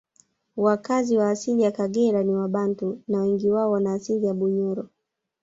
Wakazi wa asili ya Kagera ni wabantu na wengi wao wanaasili ya Bunyoro